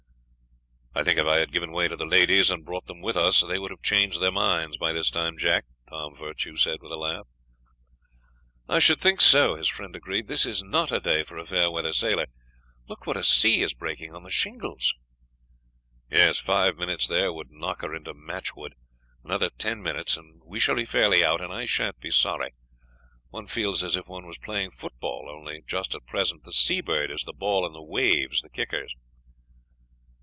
"I think if I had given way to the ladies and brought them with us they would have changed their minds by this time, Jack," Tom Virtue said, with a laugh. "I should think so," his friend agreed; "this is not a day for a fair weather sailor. Look what a sea is breaking on the shingles!" "Yes, five minutes there would knock her into matchwood. Another ten minutes and we shall be fairly out; and I shan't be sorry; one feels as if one was playing football, only just at present the Seabird is the ball and the waves the kickers."